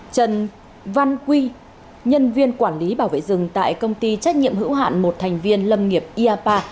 trần văn quy nhân viên quản lý bảo vệ rừng tại công ty trách nhiệm hữu hạn một thành viên lâm nghiệp iapa